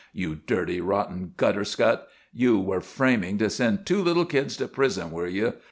You dirty, rotten, gutter scut! You were framing to send two little kids to prison, were you?